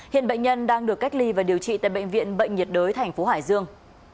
hiện bệnh nhân đang được cách ly và điều trị tại bệnh viện bệnh nhiệt đới tp hải dương